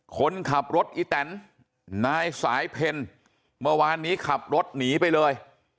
คนขับรถอีแตนนายสายเพลเมื่อวานนี้ขับรถหนีไปเลย